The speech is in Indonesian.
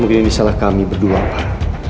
mungkin ini salah kami berdua pak